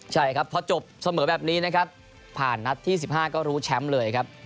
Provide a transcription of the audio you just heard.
ใช่ครับพอจบเสมอแบบนี้นะครับผ่านนัดที่๑๕ก็รู้แชมป์เลยครับ